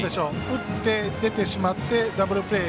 打って出てしまってダブルプレー。